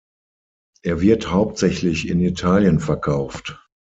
Er wird hauptsächlich in Italien verkauft.